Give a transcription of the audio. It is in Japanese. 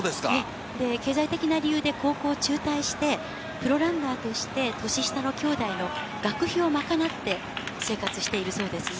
経済的な理由で高校を中退して、プロランナーとして、年下のきょうだいの学費を賄って生活しているそうですね。